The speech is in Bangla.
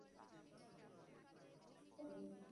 আমার হাড়ের ডাক্তার আসছে।